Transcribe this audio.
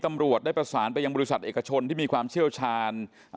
ตำรวจได้ประสานไปยังบริษัทเอกชนที่มีความเชี่ยวชาญ